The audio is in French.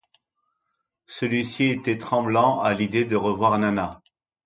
Celui-ci était tremblant, à l'idée de revoir Nana.